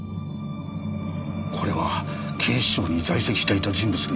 これは警視庁に在籍していた人物のようですな。